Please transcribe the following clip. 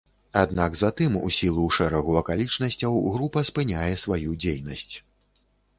Аднак затым у сілу шэрагу акалічнасцяў група спыняе сваю дзейнасць.